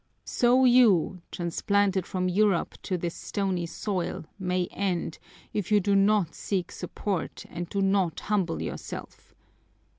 So you, transplanted from Europe to this stony soil, may end, if you do not seek support and do not humble yourself.